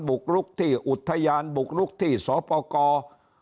บุกลุกที่อุทยานบุกลุกที่สปกร